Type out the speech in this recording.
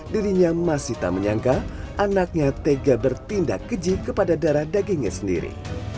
dirinya masih tak menyangka anaknya tega bertindak keji kepada darah dagingnya sendiri